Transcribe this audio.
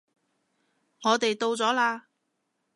我哋到咗喇